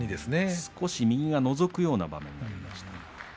少し右がのぞくような格好になりました。